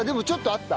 あった？